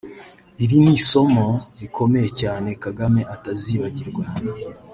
Iri ni isomo rikomeye cyane Kagame atazibagirwa